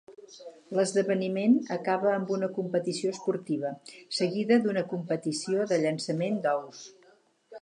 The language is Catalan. L'esdeveniment acaba amb una competició esportiva, seguida d'una competició de llançament d'ous.